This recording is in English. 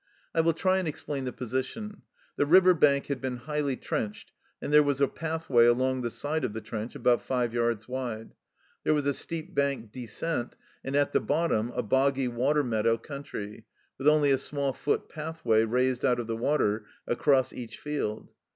I will try and explain the position. The river bank had been highly trenched, and there was a pathway along the side of the trench, about five yards wide. There was a steep bank descent, and at the bottom a boggy water meadow country, with only a small foot pathway, raised out of the water, across each field.